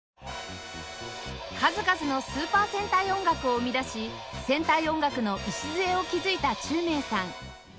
数々のスーパー戦隊音楽を生み出し戦隊音楽の礎を築いた宙明さん